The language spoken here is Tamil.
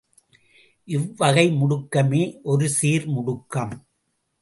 இவ்வகை முடுக்கமே ஒருசீர் முடுக்கம்.